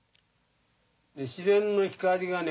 自然の光がね